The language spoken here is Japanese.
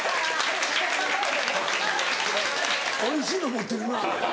おいしいの持ってるな。